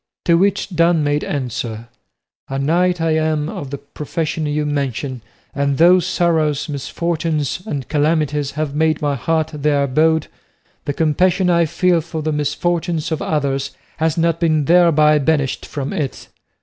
To which Don made answer, "A knight I am of the profession you mention, and though sorrows, misfortunes, and calamities have made my heart their abode, the compassion I feel for the misfortunes of others has not been thereby banished from it.